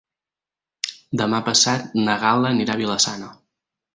Demà passat na Gal·la anirà a Vila-sana.